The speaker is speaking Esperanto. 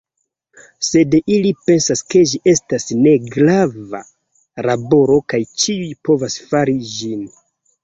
Sed ili pensas ke ĝi estas ne grava laboro kaj ĉiuj povas fari ĝin.